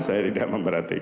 saya tidak memperhatikan